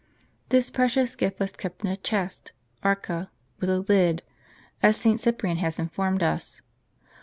This precious gift was kept in a chest [area) with a lid, as St. Cyprian has informed us.